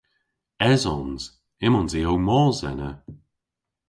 Esons. Ymons i ow mos ena.